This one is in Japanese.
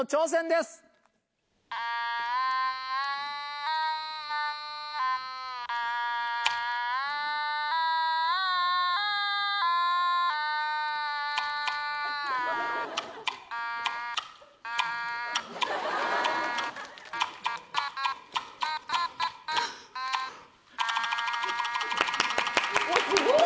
すごい！